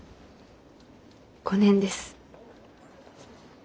５年です。